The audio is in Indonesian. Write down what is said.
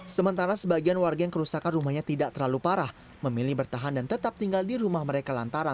sementara sebagian warga yang kerusakan rumahnya tidak terlalu parah memilih bertahan dan tetap tinggal di rumah mereka lantaran